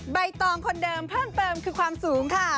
ใบตองคนเดิมเพิ่มเติมคือความสูงค่ะ